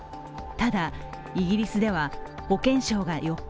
ただ、イギリスでは保健省が４日